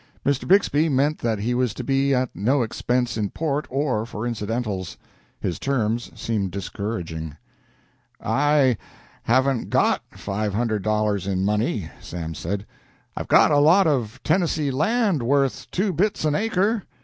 Mr. Bixby meant that he was to be at no expense in port or for incidentals. His terms seemed discouraging. "I haven't got five hundred dollars in money," Sam said. "I've got a lot of Tennessee land worth two bits an acre.